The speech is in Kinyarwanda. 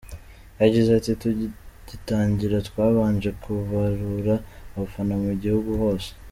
Yagize ati “Tugitangira twabanje kubarura abafana mu gihugu hose.